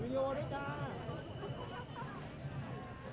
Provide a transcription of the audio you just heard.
โปรดติดตามตอนต่อไป